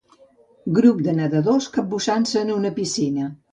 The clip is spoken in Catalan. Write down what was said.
Grup de nedadores capbussant-se en una piscina.